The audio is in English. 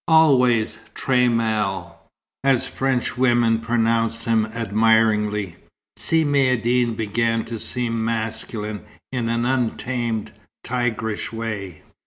Always "très mâle," as Frenchwomen pronounced him admiringly, Si Maïeddine began to seem masculine in an untamed, tigerish way.